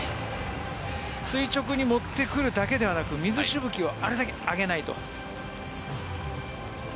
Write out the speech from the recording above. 垂直に持ってくるだけではなく水しぶきをあれだけ上げないと。